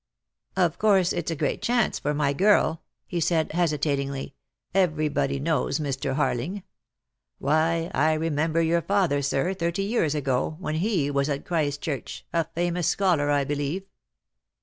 "Of course it's a great chance for my girl," he said, hesitatingly, "everybody knows Mr. Harling. Why, I remember your father, sir, thirty years ago, when he was at Christchurch — a famous scholar, I believe."